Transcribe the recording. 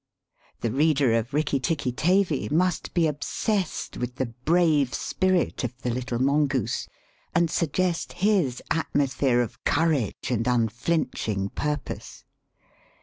The reader of "Rikki Tikki Tavi" must be obsessed with the brave spirit of the little mongoose, and sug gest his atmosphere of courage and unflinch ing purpose.